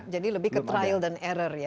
jadi lebih ke trial and error ya